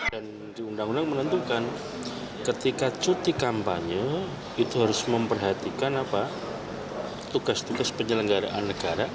dan di undang undang menentukan ketika cuti kampanye itu harus memperhatikan tugas tugas penyelenggaraan negara